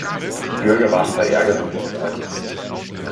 Die Bürger waren verärgert und verzweifelt.